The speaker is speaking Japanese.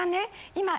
今。